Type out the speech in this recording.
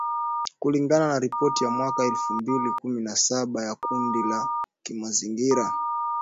kulingana na ripoti ya mwaka elfu mbili na kumi na saba ya kundi la kimazingira